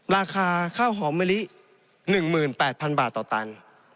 ราคาข้าวหอมมะลิ๑๘๐๐๐บาทต่อตัน